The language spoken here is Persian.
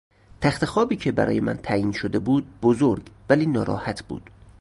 تختخوابی که برای من تعیین شده بود بزرگ ولی ناراحت بود.